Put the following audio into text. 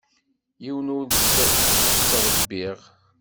Yiwen ur t-ttṛebbiɣ.